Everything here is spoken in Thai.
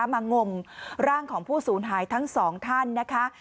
งมร่างของผู้สูญหายทั้งสองท่านนะคะ